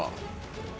mulai simpang anjali